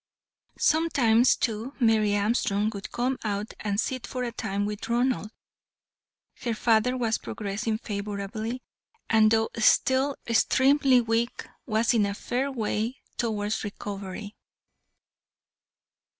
Sometimes, too, Mary Armstrong would come out and sit for a time with Ronald. Her father was progressing favourably, and though still extremely weak, was in a fair way towards recovery.